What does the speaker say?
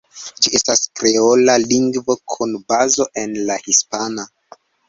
Ĝi estas kreola lingvo, kun bazo en la hispana.